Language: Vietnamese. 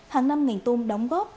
hàng năm ngành tôm đóng góp